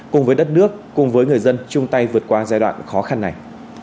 cùng với đất nước cùng với người dân chung tay vượt qua giai đoạn khó khăn này